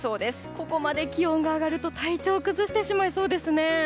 ここまで気温が上がると体調を崩してしまいそうですね。